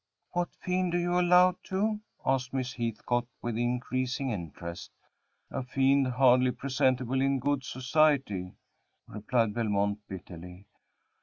"What fiend do you allude to?" asked Miss Heathcote, with increasing interest. "A fiend hardly presentable in good society," replied Belmont, bitterly.